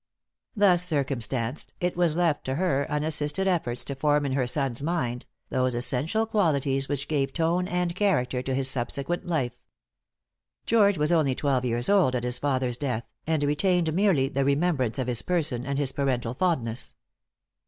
Thus circumstanced, it was left to her unassisted efforts to form in her son's mind, those essential qualities which gave tone and character to his subsequent life. George was only twelve years old at his father's death, and retained merely the remembrance of his person, and his parental fondness.